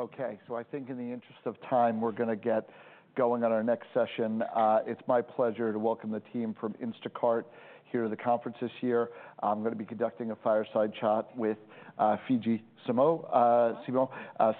Okay, so I think in the interest of time, we're gonna get going on our next session. It's my pleasure to welcome the team from Instacart here to the conference this year. I'm gonna be conducting a fireside chat with Fidji Simo,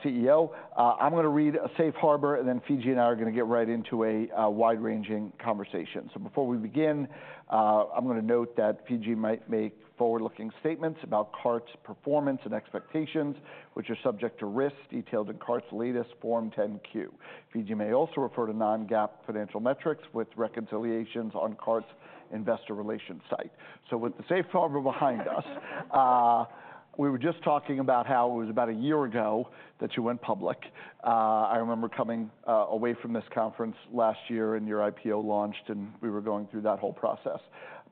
CEO. I'm gonna read a safe harbor, and then Fidji and I are gonna get right into a wide-ranging conversation. So before we begin, I'm gonna note that Fidji might make forward-looking statements about Cart's performance and expectations, which are subject to risks detailed in Cart's latest Form 10-Q. Fidji may also refer to non-GAAP financial metrics with reconciliations on Cart's investor relations site. So with the safe harbor behind us, we were just talking about how it was about a year ago that you went public. I remember coming away from this conference last year, and your IPO launched, and we were going through that whole process.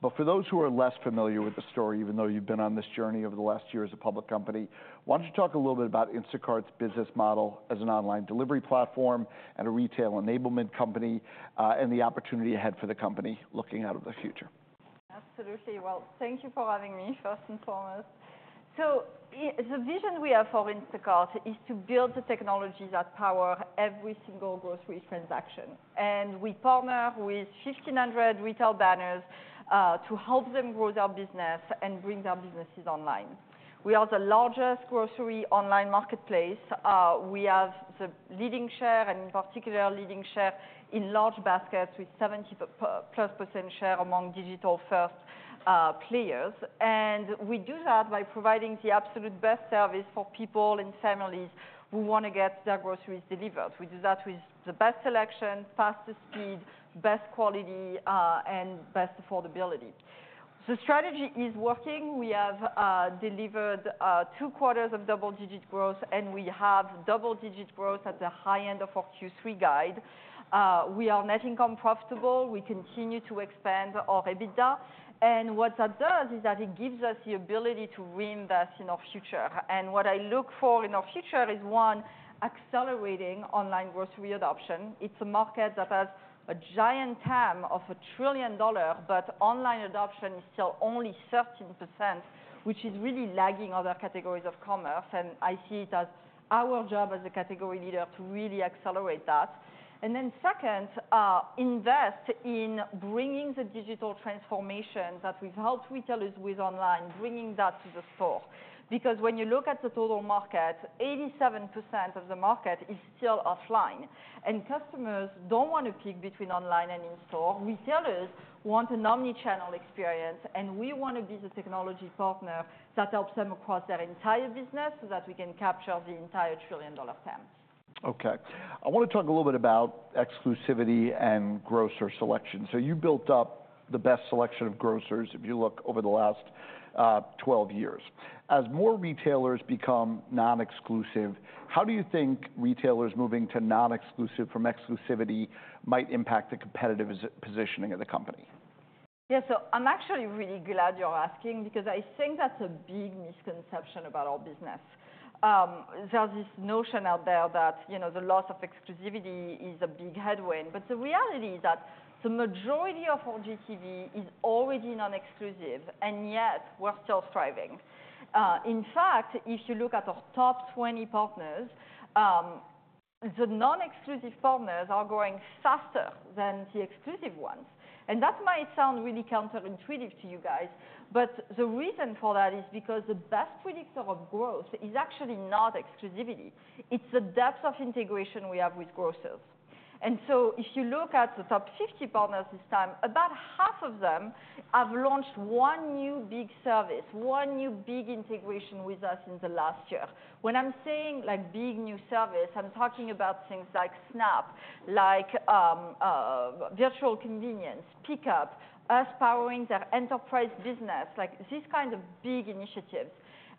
But for those who are less familiar with the story, even though you've been on this journey over the last year as a public company, why don't you talk a little bit about Instacart's business model as an online delivery platform and a retail enablement company, and the opportunity ahead for the company looking into the future? Absolutely. Well, thank you for having me, first and foremost. So the vision we have for Instacart is to build the technologies that power every single grocery transaction, and we partner with 1,500 retail banners to help them grow their business and bring their businesses online. We are the largest grocery online marketplace. We have the leading share, and in particular, leading share in large baskets, with 70%+ share among digital-first players. And we do that by providing the absolute best service for people and families who want to get their groceries delivered. We do that with the best selection, fastest speed, best quality, and best affordability. The strategy is working. We have delivered two quarters of double-digit growth, and we have double-digit growth at the high end of our Q3 guide. We are net income profitable. We continue to expand our EBITDA. And what that does is that it gives us the ability to reinvest in our future. And what I look for in our future is, one, accelerating online grocery adoption. It's a market that has a giant TAM of a trillion-dollar, but online adoption is still only 13%, which is really lagging other categories of commerce, and I see it as our job as a category leader to really accelerate that. And then second, invest in bringing the digital transformation that we've helped retailers with online, bringing that to the store. Because when you look at the total market, 87% of the market is still offline, and customers don't want to pick between online and in-store. Retailers want an omnichannel experience, and we want to be the technology partner that helps them across their entire business, so that we can capture the entire trillion-dollar TAM. Okay. I want to talk a little bit about exclusivity and grocer selection. So you built up the best selection of grocers, if you look over the last 12 years. As more retailers become non-exclusive, how do you think retailers moving to non-exclusive from exclusivity might impact the competitive positioning of the company? Yeah, so I'm actually really glad you're asking, because I think that's a big misconception about our business. There's this notion out there that, you know, the loss of exclusivity is a big headwind, but the reality is that the majority of our GTV is already non-exclusive, and yet we're still thriving. In fact, if you look at the top 20 partners, the non-exclusive partners are growing faster than the exclusive ones. And that might sound really counterintuitive to you guys, but the reason for that is because the best predictor of growth is actually not exclusivity. It's the depth of integration we have with grocers. And so if you look at the top 50 partners this time, about half of them have launched one new big service, one new big integration with us in the last year. When I'm saying, like, big new service, I'm talking about things like SNAP, like, virtual convenience, pickup, us powering their enterprise business, like, these kind of big initiatives.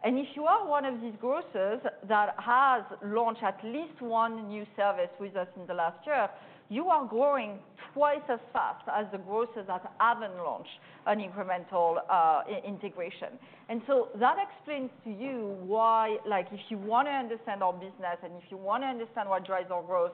And if you are one of these grocers that has launched at least one new service with us in the last year, you are growing twice as fast as the grocers that haven't launched an incremental integration. And so that explains to you why, like, if you want to understand our business and if you want to understand what drives our growth,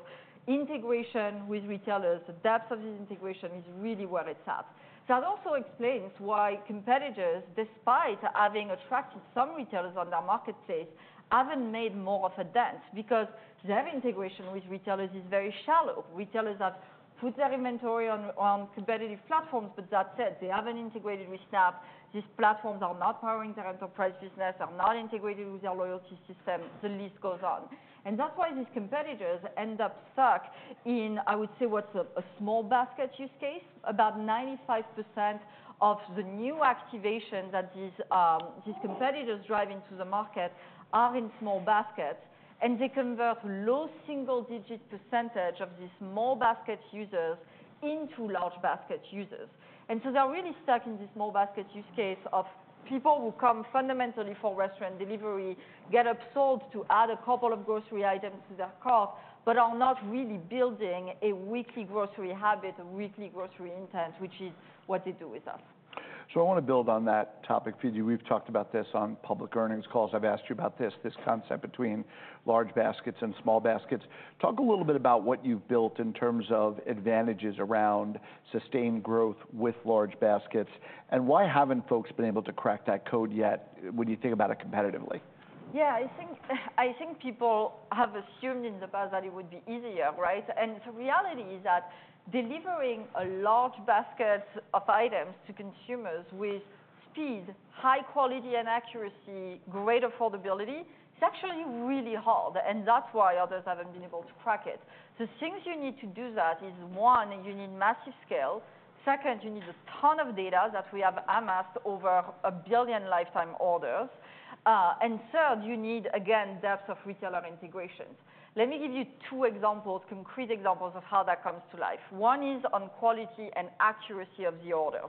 integration with retailers, the depth of this integration is really where it's at. That also explains why competitors, despite having attracted some retailers on their marketplace, haven't made more of a dent, because their integration with retailers is very shallow. Retailers have put their inventory on competitive platforms, but that's it. They haven't integrated with SNAP. These platforms are not powering their enterprise business, are not integrated with their loyalty system, the list goes on. And that's why these competitors end up stuck in, I would say, what's a, a small basket use case? About 95% of the new activation that these competitors drive into the market are in small baskets, and they convert low single-digit percentage of these small basket users into large basket users. And so they're really stuck in this small basket use case of people who come fundamentally for restaurant delivery, get absorbed to add a couple of grocery items to their cart, but are not really building a weekly grocery habit, a weekly grocery intent, which is what they do with us. So I want to build on that topic, Fidji. We've talked about this on public earnings calls. I've asked you about this, this concept between large baskets and small baskets. Talk a little bit about what you've built in terms of advantages around sustained growth with large baskets, and why haven't folks been able to crack that code yet, when you think about it competitively?... Yeah, I think people have assumed in the past that it would be easier, right? And the reality is that delivering a large basket of items to consumers with speed, high quality and accuracy, great affordability, is actually really hard, and that's why others haven't been able to crack it. The things you need to do that is one, you need massive scale. Second, you need a ton of data that we have amassed over a billion lifetime orders, and third, you need, again, depth of retailer integration. Let me give you two examples, concrete examples of how that comes to life. One is on quality and accuracy of the order.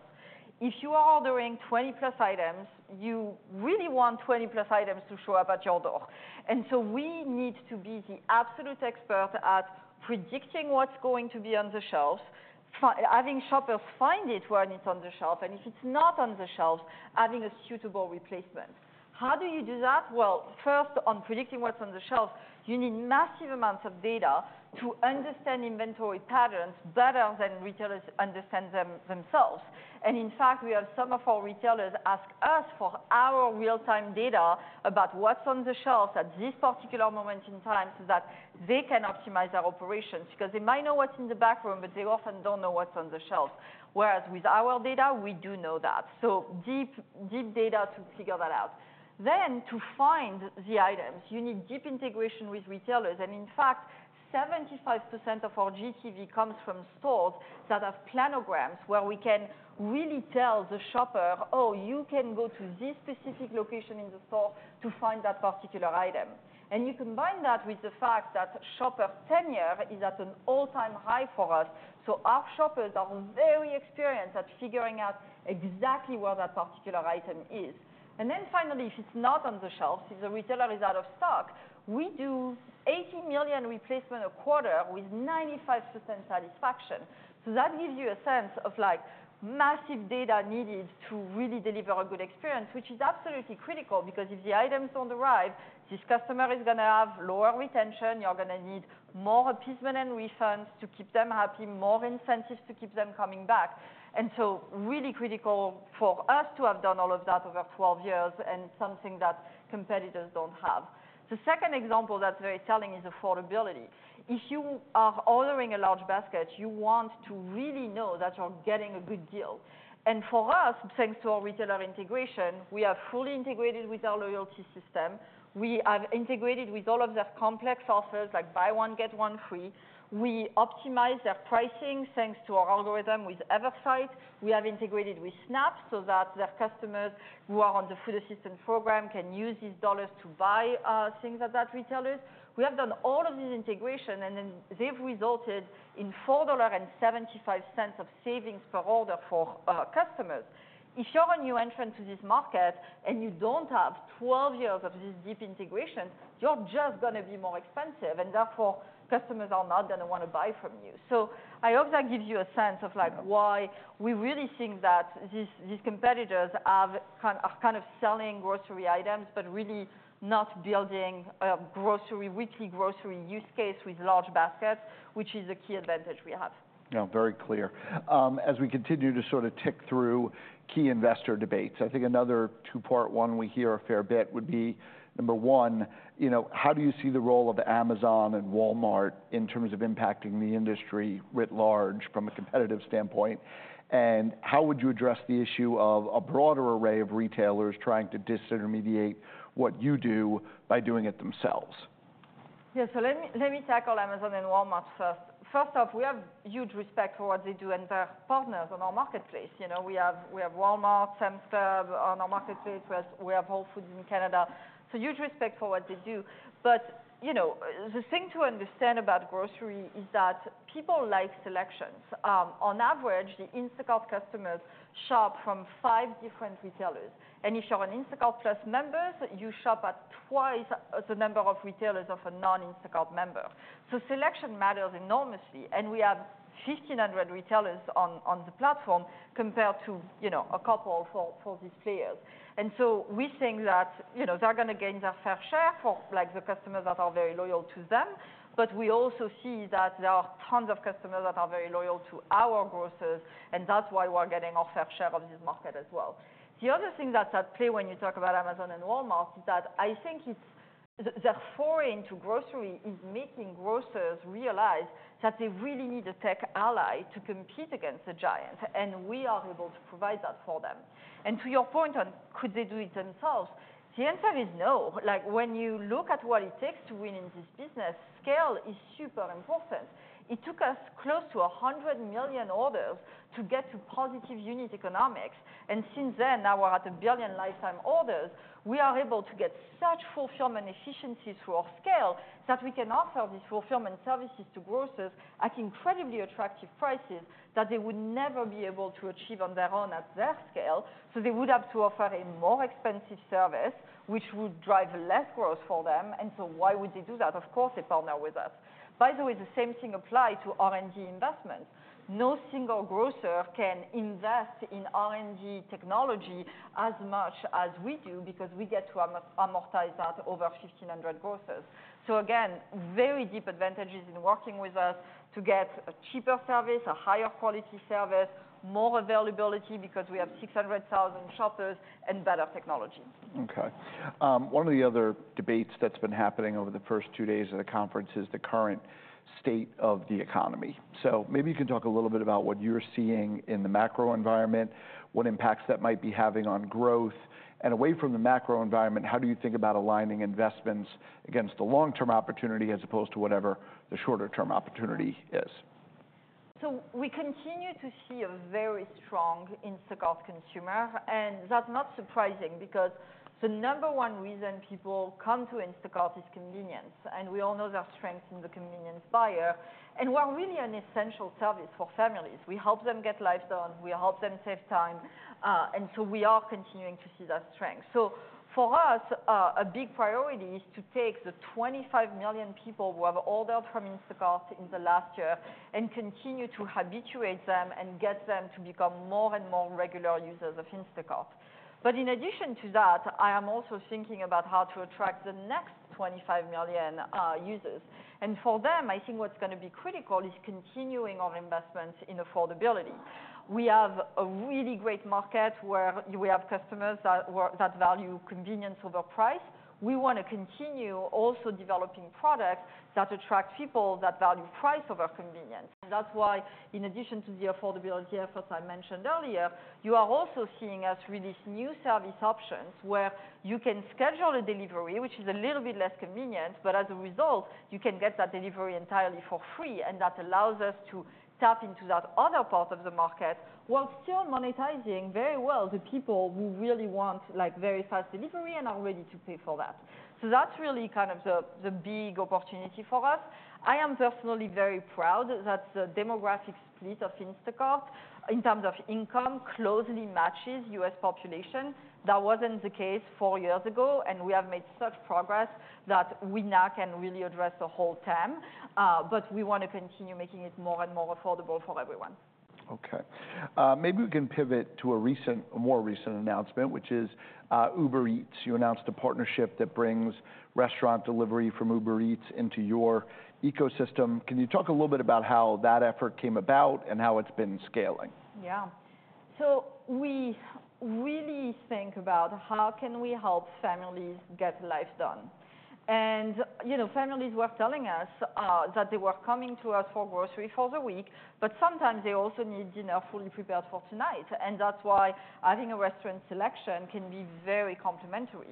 If you are ordering 20+ items, you really want 20+ items to show up at your door. We need to be the absolute expert at predicting what's going to be on the shelves, having shoppers find it when it's on the shelf, and if it's not on the shelf, having a suitable replacement. How do you do that? First, on predicting what's on the shelf, you need massive amounts of data to understand inventory patterns better than retailers understand them themselves. In fact, we have some of our retailers ask us for our real-time data about what's on the shelf at this particular moment in time, so that they can optimize their operations. Because they might know what's in the back room, but they often don't know what's on the shelf, whereas with our data, we do know that. Deep, deep data to figure that out. To find the items, you need deep integration with retailers. In fact, 75% of our GTV comes from stores that have planograms, where we can really tell the shopper, "Oh, you can go to this specific location in the store to find that particular item." You combine that with the fact that shopper tenure is at an all-time high for us, so our shoppers are very experienced at figuring out exactly where that particular item is. Then finally, if it's not on the shelf, if the retailer is out of stock, we do 80 million replacement a quarter with 95% satisfaction. So that gives you a sense of, like, massive data needed to really deliver a good experience, which is absolutely critical, because if the items don't arrive, this customer is gonna have lower retention, you're gonna need more appeasement and refunds to keep them happy, more incentives to keep them coming back. So really critical for us to have done all of that over 12 years and something that competitors don't have. The second example that's very telling is affordability. If you are ordering a large basket, you want to really know that you're getting a good deal. For us, thanks to our retailer integration, we are fully integrated with our loyalty system. We have integrated with all of their complex offers, like buy one, get one free. We optimize their pricing, thanks to our algorithm with Eversight. We have integrated with SNAP, so that their customers who are on the food assistance program can use these dollars to buy things at that retailers. We have done all of this integration, and then they've resulted in $4.75 of savings per order for customers. If you're a new entrant to this market, and you don't have 12 years of this deep integration, you're just gonna be more expensive, and therefore, customers are not gonna wanna buy from you. So I hope that gives you a sense of, like, why we really think that these competitors are kind of selling grocery items, but really not building a grocery, weekly grocery use case with large baskets, which is a key advantage we have. Yeah, very clear. As we continue to sort of tick through key investor debates, I think another two-part one we hear a fair bit would be, number one, you know, how do you see the role of Amazon and Walmart in terms of impacting the industry writ large from a competitive standpoint? And how would you address the issue of a broader array of retailers trying to disintermediate what you do by doing it themselves? Yeah, so let me tackle Amazon and Walmart first. First off, we have huge respect for what they do and their partners on our marketplace. You know, we have Walmart, Sam's Club on our marketplace. We have Whole Foods in Canada, so huge respect for what they do. But, you know, the thing to understand about grocery is that people like selections. On average, the Instacart customers shop from five different retailers. And if you're an Instacart+ members, you shop at twice the number of retailers of a non-Instacart member. So selection matters enormously, and we have 1,500 retailers on the platform compared to, you know, a couple for these players. And so we think that, you know, they're gonna gain their fair share for, like, the customers that are very loyal to them. But we also see that there are tons of customers that are very loyal to our grocers, and that's why we're getting our fair share of this market as well. The other thing that's at play when you talk about Amazon and Walmart is that I think it's the foray into grocery is making grocers realize that they really need a tech ally to compete against the giant, and we are able to provide that for them. And to your point on, could they do it themselves? The answer is no. Like, when you look at what it takes to win in this business, scale is super important. It took us close to a 100 million orders to get to positive unit economics, and since then, now we're at a billion lifetime orders. We are able to get such fulfillment efficiency through our scale that we can offer these fulfillment services to grocers at incredibly attractive prices that they would never be able to achieve on their own at their scale. So they would have to offer a more expensive service, which would drive less growth for them, and so why would they do that? Of course, they partner with us. By the way, the same thing apply to R&D investment. No single grocer can invest in R&D technology as much as we do because we get to amortize that over 1,500 grocers. So again, very deep advantages in working with us to get a cheaper service, a higher quality service, more availability, because we have 600,000 shoppers, and better technology. Okay. One of the other debates that's been happening over the first two days of the conference is the current state of the economy. So maybe you can talk a little bit about what you're seeing in the macro environment, what impacts that might be having on growth, and away from the macro environment, how do you think about aligning investments against the long-term opportunity as opposed to whatever the shorter-term opportunity is? ... So we continue to see a very strong Instacart consumer, and that's not surprising because the number one reason people come to Instacart is convenience, and we all know their strength in the convenience buyer, and we're really an essential service for families. We help them get life done, we help them save time, and so we are continuing to see that strength, so for us, a big priority is to take the 25 million people who have ordered from Instacart in the last year and continue to habituate them and get them to become more and more regular users of Instacart, but in addition to that, I am also thinking about how to attract the next 25 million users, and for them, I think what's gonna be critical is continuing our investments in affordability. We have a really great market where we have customers that value convenience over price. We wanna continue also developing products that attract people that value price over convenience. That's why, in addition to the affordability efforts I mentioned earlier, you are also seeing us release new service options where you can schedule a delivery, which is a little bit less convenient, but as a result, you can get that delivery entirely for free, and that allows us to tap into that other part of the market, while still monetizing very well the people who really want, like, very fast delivery and are ready to pay for that. So that's really kind of the big opportunity for us. I am personally very proud that the demographic split of Instacart, in terms of income, closely matches U.S. population. That wasn't the case four years ago, and we have made such progress that we now can really address the whole TAM, but we wanna continue making it more and more affordable for everyone. Okay. Maybe we can pivot to a recent, a more recent announcement, which is, Uber Eats. You announced a partnership that brings restaurant delivery from Uber Eats into your ecosystem. Can you talk a little bit about how that effort came about, and how it's been scaling? Yeah. So we really think about how can we help families get life done? And, you know, families were telling us that they were coming to us for grocery for the week, but sometimes they also need dinner fully prepared for tonight, and that's why having a restaurant selection can be very complementary.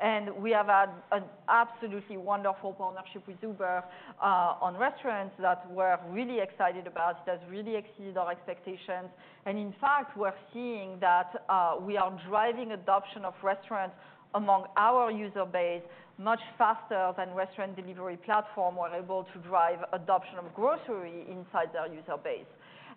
And we have had an absolutely wonderful partnership with Uber on restaurants that we're really excited about. It has really exceeded our expectations. And in fact, we're seeing that we are driving adoption of restaurants among our user base much faster than restaurant delivery platform, we're able to drive adoption of grocery inside their user base.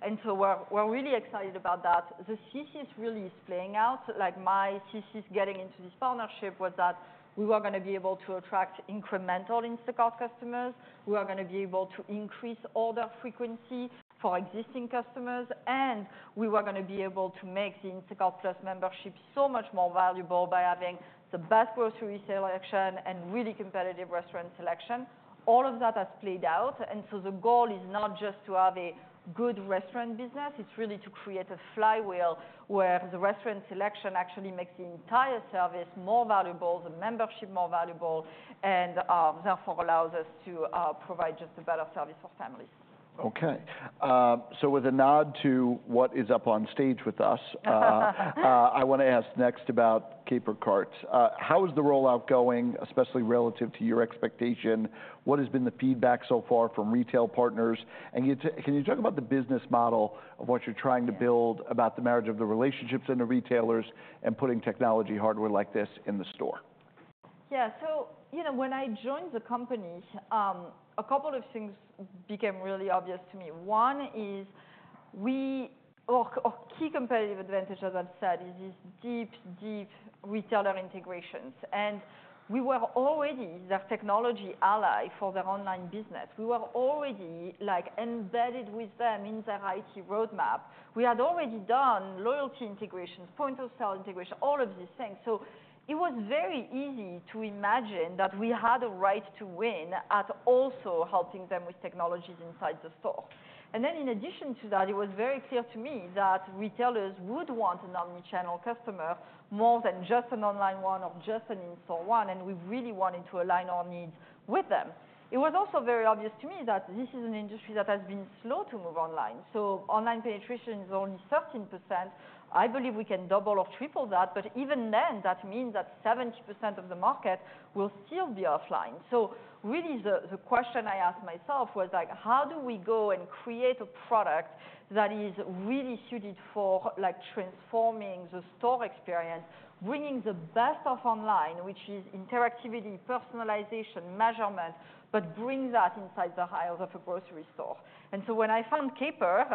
And so we're really excited about that. The thesis really is playing out, like my thesis getting into this partnership was that we were gonna be able to attract incremental Instacart customers, we are gonna be able to increase order frequency for existing customers, and we were gonna be able to make the Instacart Plus membership so much more valuable by having the best grocery selection and really competitive restaurant selection. All of that has played out, and so the goal is not just to have a good restaurant business, it's really to create a flywheel, where the restaurant selection actually makes the entire service more valuable, the membership more valuable, and therefore allows us to provide just a better service for families. Okay. So with a nod to what is up on stage with us, I wanna ask next about Caper Carts. How is the rollout going, especially relative to your expectation? What has been the feedback so far from retail partners? And can you talk about the business model of what you're trying to... build, about the marriage of the relationships and the retailers, and putting technology hardware like this in the store? Yeah. So, you know, when I joined the company, a couple of things became really obvious to me. One is, our key competitive advantage, as I've said, is this deep, deep retailer integrations, and we were already the technology ally for their online business. We were already, like, embedded with them in their IT roadmap. We had already done loyalty integrations, point-of-sale integration, all of these things. So it was very easy to imagine that we had a right to win at also helping them with technologies inside the store. And then in addition to that, it was very clear to me that retailers would want an omnichannel customer more than just an online one or just an in-store one, and we really wanted to align our needs with them. It was also very obvious to me that this is an industry that has been slow to move online. So online penetration is only 13%. I believe we can double or triple that, but even then, that means that 70% of the market will still be offline. So really, the question I asked myself was, like, "How do we go and create a product that is really suited for, like, transforming the store experience, bringing the best of online, which is interactivity, personalization, measurement, but bring that inside the aisles of a grocery store?" And so when I found Caper,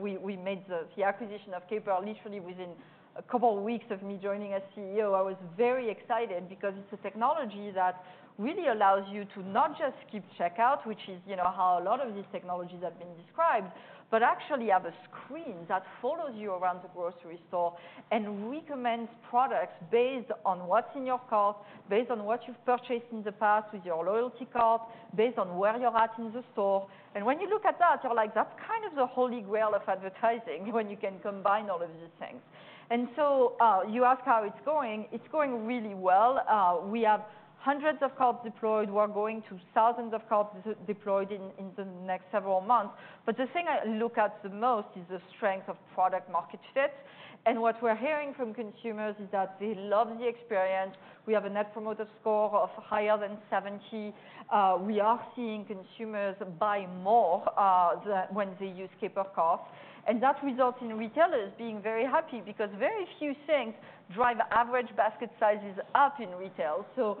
we made the acquisition of Caper literally within a couple of weeks of me joining as CEO. I was very excited because it's a technology that really allows you to not just skip checkout, which is, you know, how a lot of these technologies have been described, but actually have a screen that follows you around the grocery store and recommends products based on what's in your cart, based on what you've purchased in the past with your loyalty card, based on where you're at in the store. When you look at that, you're like, "That's kind of the holy grail of advertising," when you can combine all of these things. So you ask how it's going, it's going really well. We have hundreds of carts deployed. We're going to thousands of carts deployed in the next several months. But the thing I look at the most is the strength of product market fit. What we're hearing from consumers is that they love the experience. We have a net promoter score of higher than 70. We are seeing consumers buy more when they use Caper Cart. And that results in retailers being very happy, because very few things drive average basket sizes up in retail. So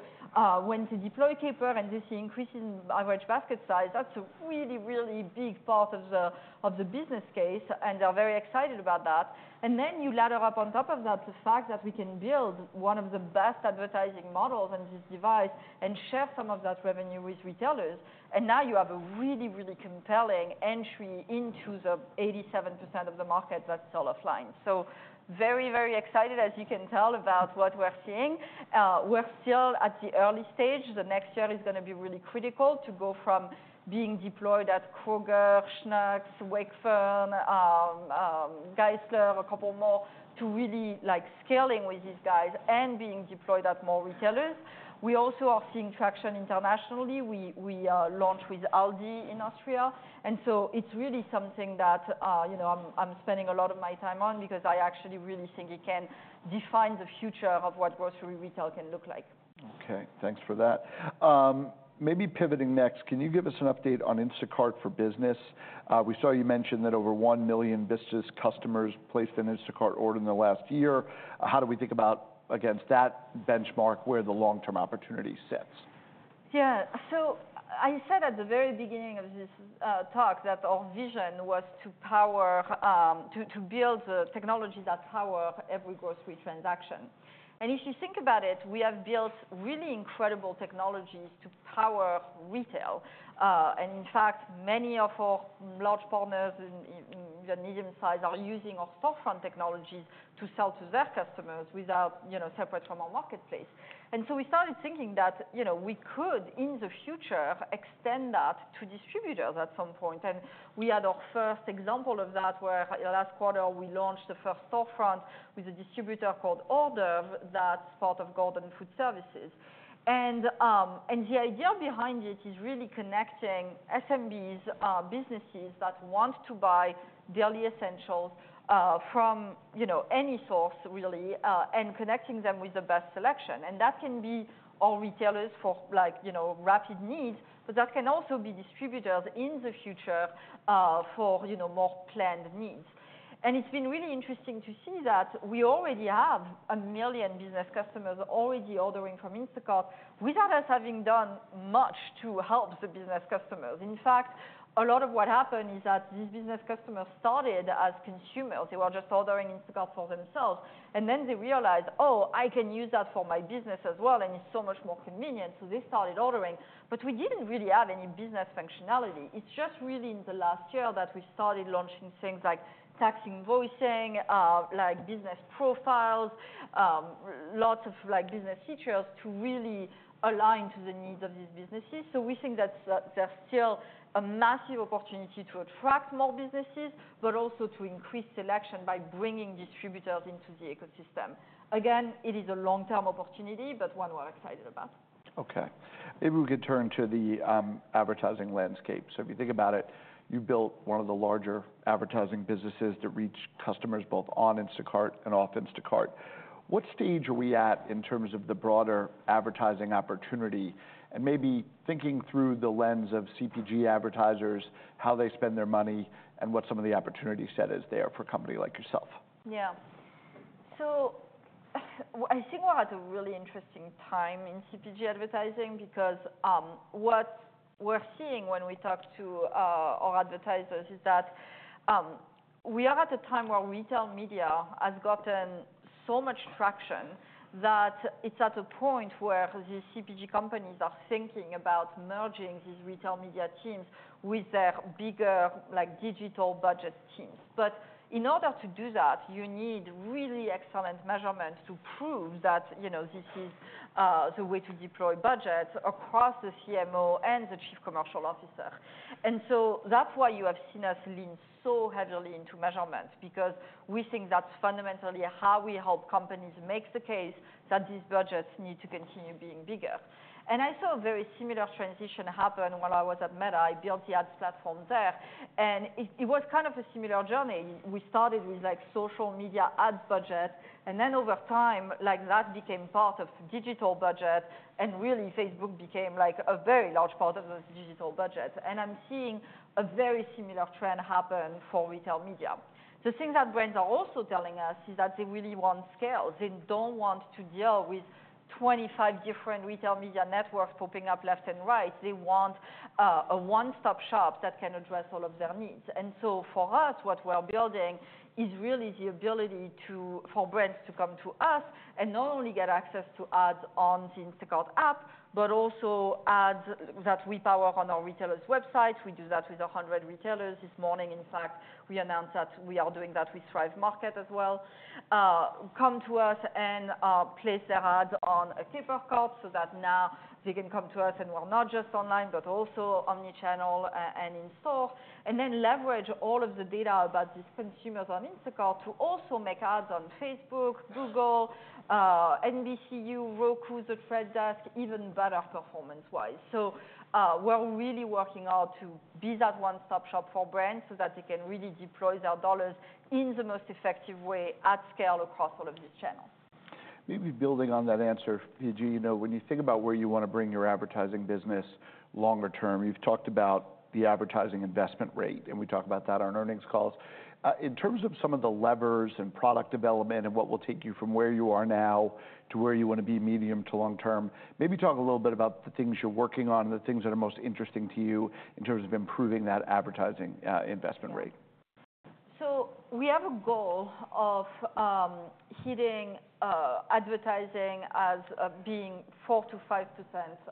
when we deploy Caper and this increase in average basket size, that's a really, really big part of the business case, and they're very excited about that. And then you ladder up on top of that, the fact that we can build one of the best advertising models in this device and share some of that revenue with retailers, and now you have a really, really compelling entry into the 87% of the market that sell offline. Very, very excited, as you can tell, about what we're seeing. We're still at the early stage. The next year is gonna be really critical to go from being deployed at Kroger, Schnucks, Wakefern, Geissler's, a couple more, to really like scaling with these guys and being deployed at more retailers. We also are seeing traction internationally. We launched with Aldi in Austria, and so it's really something that, you know, I'm spending a lot of my time on because I actually really think it can define the future of what grocery retail can look like. Okay, thanks for that. Maybe pivoting next, can you give us an update on Instacart for Business? We saw you mention that over 1 million business customers placed an Instacart order in the last year. How do we think about, against that benchmark, where the long-term opportunity sits? Yeah. So I said at the very beginning of this talk, that our vision was to power, to build the technologies that power every grocery transaction. And if you think about it, we have built really incredible technologies to power retail. And in fact, many of our large partners in the medium size are using our storefront technology to sell to their customers without, you know, separate from our marketplace. And so we started thinking that, you know, we could, in the future, extend that to distributors at some point. And we had our first example of that, where last quarter we launched the first storefront with a distributor called Order that's part of Gordon Food Service. And the idea behind it is really connecting SMBs, businesses that want to buy daily essentials, from, you know, any source really, and connecting them with the best selection. And that can be our retailers for, like, you know, rapid needs, but that can also be distributors in the future, for, you know, more planned needs. And it's been really interesting to see that we already have a million business customers already ordering from Instacart without us having done much to help the business customers. In fact, a lot of what happened is that these business customers started as consumers. They were just ordering Instacart for themselves, and then they realized, "Oh, I can use that for my business as well, and it's so much more convenient." So they started ordering, but we didn't really have any business functionality. It's just really in the last year that we started launching things like tax invoicing, like business profiles, lots of like business features to really align to the needs of these businesses. So we think that there's still a massive opportunity to attract more businesses, but also to increase selection by bringing distributors into the ecosystem. Again, it is a long-term opportunity, but one we're excited about. Okay. Maybe we could turn to the advertising landscape. So if you think about it, you built one of the larger advertising businesses that reach customers both on Instacart and off Instacart. What stage are we at in terms of the broader advertising opportunity? And maybe thinking through the lens of CPG advertisers, how they spend their money, and what some of the opportunity set is there for a company like yourself. Yeah. So I think we're at a really interesting time in CPG advertising because what we're seeing when we talk to our advertisers is that we are at a time where retail media has gotten so much traction that it's at a point where the CPG companies are thinking about merging these retail media teams with their bigger, like, digital budget teams. But in order to do that, you need really excellent measurements to prove that, you know, this is the way to deploy budgets across the CMO and the Chief Commercial Officer. And so that's why you have seen us lean so heavily into measurements, because we think that's fundamentally how we help companies make the case that these budgets need to continue being bigger. And I saw a very similar transition happen when I was at Meta. I built the ads platform there, and it was kind of a similar journey. We started with, like, social media ads budget, and then over time, like, that became part of digital budget, and really Facebook became, like, a very large part of the digital budget, and I'm seeing a very similar trend happen for retail media. The thing that brands are also telling us is that they really want scale. They don't want to deal with 25 different retail media networks popping up left and right. They want a one-stop shop that can address all of their needs, and so for us, what we're building is really the ability to, for brands to come to us and not only get access to ads on the Instacart app, but also ads that we power on our retailers' websites. We do that with a hundred retailers. This morning, in fact, we announced that we are doing that with Thrive Market as well. Come to us and place their ads on a Caper cart, so that now they can come to us and we're not just online, but also omnichannel and in-store, and then leverage all of the data about these consumers on Instacart to also make ads on Facebook, Google, NBCU, Roku, The Trade Desk, even better performance-wise. So, we're really working hard to be that one-stop shop for brands so that they can really deploy their dollars in the most effective way at scale across all of these channels.... Maybe building on that answer, Fidji, you know, when you think about where you want to bring your advertising business longer term, you've talked about the advertising investment rate, and we talk about that on earnings calls. In terms of some of the levers and product development, and what will take you from where you are now to where you want to be medium to long term, maybe talk a little bit about the things you're working on, the things that are most interesting to you in terms of improving that advertising investment rate. So we have a goal of hitting advertising as being 4%-5%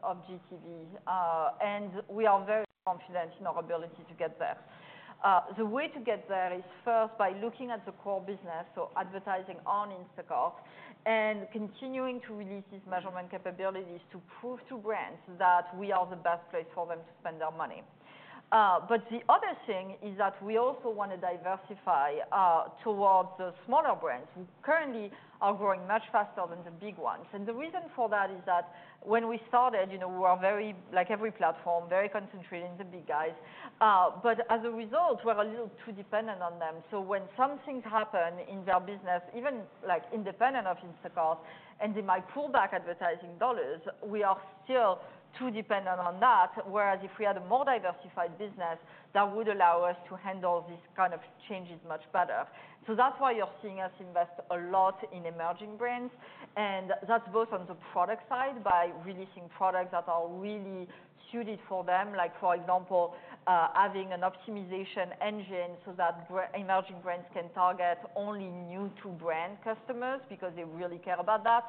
of GTV. And we are very confident in our ability to get there. The way to get there is first by looking at the core business, so advertising on Instacart, and continuing to release these measurement capabilities to prove to brands that we are the best place for them to spend their money. But the other thing is that we also want to diversify towards the smaller brands, who currently are growing much faster than the big ones. And the reason for that is that when we started, you know, we were very, like every platform, very concentrated in the big guys. But as a result, we're a little too dependent on them. So when something happen in their business, even like independent of Instacart, and they might pull back advertising dollars, we are still too dependent on that, whereas if we had a more diversified business, that would allow us to handle these kind of changes much better. So that's why you're seeing us invest a lot in emerging brands, and that's both on the product side, by releasing products that are really suited for them, like for example, having an optimization engine so that emerging brands can target only new-to-brand customers, because they really care about that.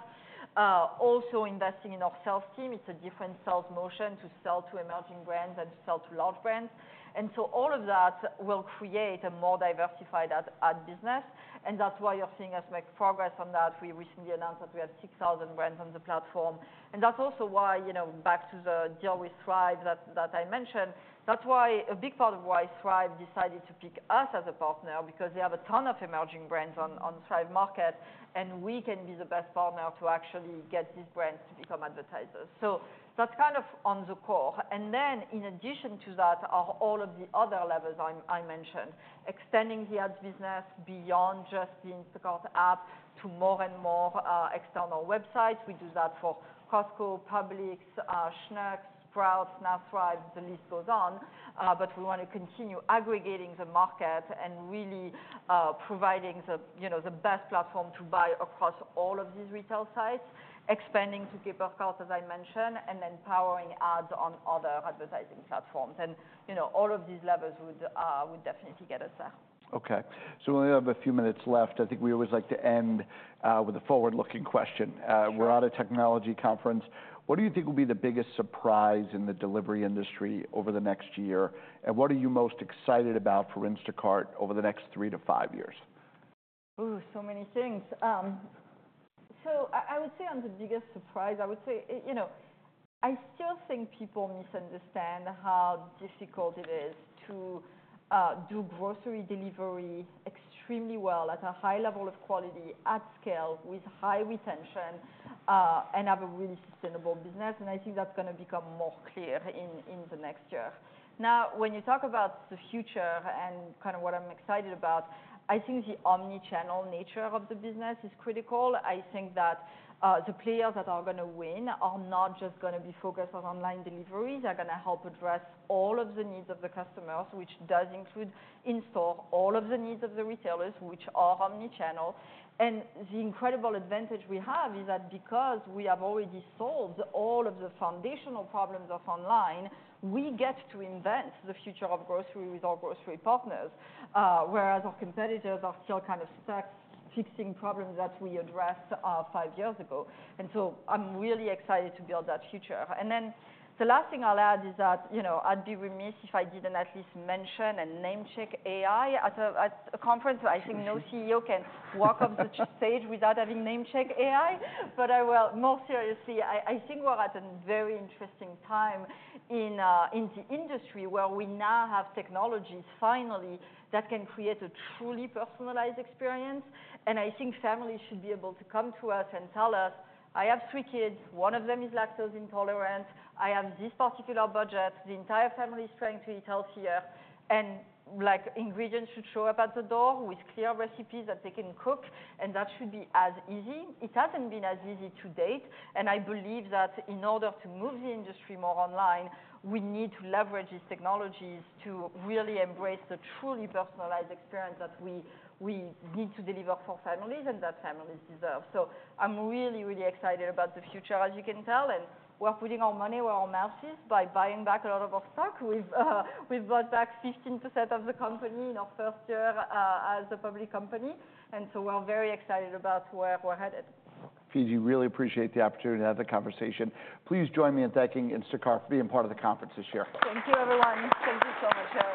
Also investing in our sales team, it's a different sales motion to sell to emerging brands than to sell to large brands. And so all of that will create a more diversified ad business, and that's why you're seeing us make progress on that. We recently announced that we have 6,000 brands on the platform. And that's also why, you know, back to the deal with Thrive that I mentioned, that's why, a big part of why Thrive decided to pick us as a partner, because they have a ton of emerging brands on Thrive Market, and we can be the best partner to actually get these brands to become advertisers. So that's kind of on the core. And then in addition to that, are all of the other levels I mentioned. Extending the ads business beyond just the Instacart app to more and more external websites. We do that for Costco, Publix, Schnucks, Sprouts, now Thrive, the list goes on. But we want to continue aggregating the market and really, providing the, you know, the best platform to buy across all of these retail sites, expanding to Caper Carts, as I mentioned, and then powering ads on other advertising platforms. And, you know, all of these levels would definitely get us there. Okay, so we only have a few minutes left. I think we always like to end with a forward-looking question. We're at a technology conference. What do you think will be the biggest surprise in the delivery industry over the next year? And what are you most excited about for Instacart over the next three to five years? Ooh, so many things. So I would say on the biggest surprise, I would say, you know, I still think people misunderstand how difficult it is to do grocery delivery extremely well at a high level of quality, at scale, with high retention, and have a really sustainable business, and I think that's gonna become more clear in the next year. Now, when you talk about the future and kind of what I'm excited about, I think the omnichannel nature of the business is critical. I think that, the players that are gonna win are not just gonna be focused on online deliveries. They're gonna help address all of the needs of the customers, which does include in-store, all of the needs of the retailers, which are omnichannel. And the incredible advantage we have is that because we have already solved all of the foundational problems of online, we get to invent the future of grocery with our grocery partners. Whereas our competitors are still kind of stuck fixing problems that we addressed five years ago. And so I'm really excited to build that future. And then the last thing I'll add is that, you know, I'd be remiss if I didn't at least mention and namecheck AI at a conference where I think no CEO can walk on such a stage without having namechecked AI. But I will, more seriously, I think we're at a very interesting time in the industry, where we now have technologies, finally, that can create a truly personalized experience. I think families should be able to come to us and tell us, "I have three kids, one of them is lactose intolerant. I have this particular budget. The entire family is trying to eat healthier." Like, ingredients should show up at the door with clear recipes that they can cook, and that should be as easy. It hasn't been as easy to date, and I believe that in order to move the industry more online, we need to leverage these technologies to really embrace the truly personalized experience that we need to deliver for families, and that families deserve. I'm really, really excited about the future, as you can tell, and we're putting our money where our mouth is by buying back a lot of our stock. We've bought back 15% of the company in our first year as a public company, and so we're very excited about where we're headed. Fidji, really appreciate the opportunity to have the conversation. Please join me in thanking Instacart for being part of the conference this year. Thank you, everyone. Thank you so much, Harry.